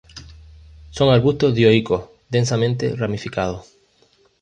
Son arbustos dioicos, densamente ramificados.